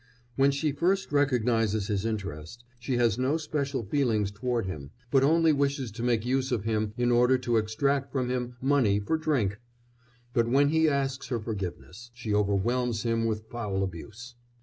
When she first recognises his interest, she has no special feelings towards him, but only wishes to make use of him in order to extract from him money for drink. But, when he asks her forgiveness, she overwhelms him with foul abuse.